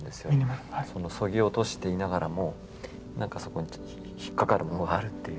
そぎ落としていながらも何かそこに引っかかるものがあるっていう。